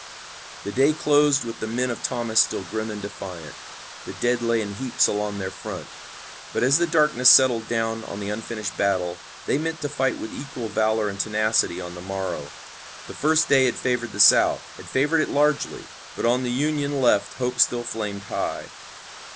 The day closed with the men of Thomas still grim and defiant. The dead lay in heaps along their front, but as the darkness settled down on the unfinished battle they meant to fight with equal valor and tenacity on the morrow. The first day had favored the South, had favored it largely, but on the Union left hope still flamed high.